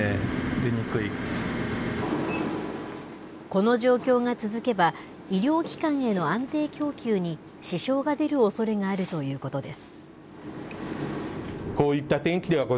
この状況が続けば、医療機関への安定供給に支障が出るおそれがあるということです。